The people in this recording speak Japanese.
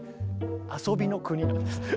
遊びの国なんです。